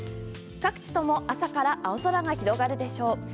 各地とも朝から青空が広がるでしょう。